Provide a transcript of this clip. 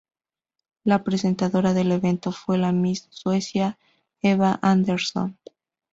La presentadora del evento fue la "Miss Suecia", "Eva Andersson".